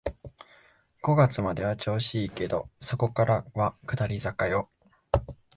五月までは調子いいけど、そこからは下り坂よ